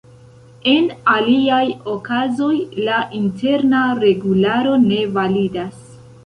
En aliaj okazoj, la Interna Regularo ne validas.